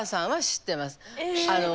知ってます？